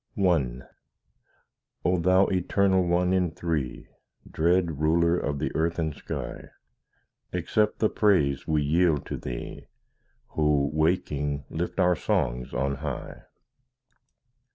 I O Thou Eternal One in Three, Dread Ruler of the earth and sky, Accept the praise we yield to Thee, Who, waking, lift our songs on high.